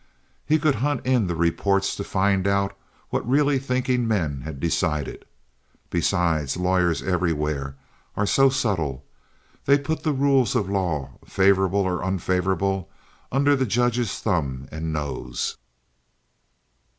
He could hunt in the reports to find out what really thinking men had decided. Besides, lawyers everywhere are so subtle. They put the rules of law, favorable or unfavorable, under the judge's thumb and nose.